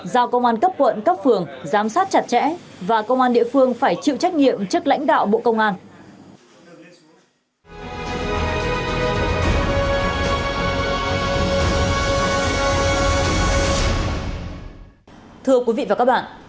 giao công an cấp quận cấp phường giám sát chặt chẽ và công an địa phương phải chịu trách nhiệm trước lãnh đạo bộ công an